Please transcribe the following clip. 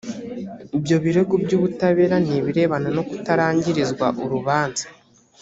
ibyo birego by ubutabera ni ibirebana no kutarangirizwa urubanza